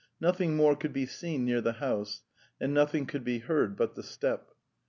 Nothing more could be seen near the house, and nothing could be heard but the steppe.